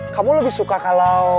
kamu lebih suka kalau